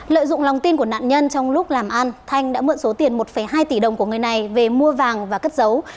lợi dụng lòng tin của nạn nhân trong lúc làm ăn thanh đã mượn số tiền một hai tỷ đồng của người này về mua vàng và cất dấu